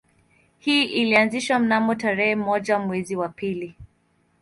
Hii ilianzishwa mnamo tarehe moja mwezi wa pili